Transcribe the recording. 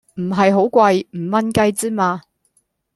唔係好貴！五蚊雞之嘛